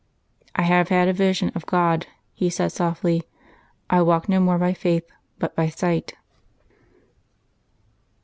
"I have had a Vision of God," He said softly. "I walk no more by faith, but by sight."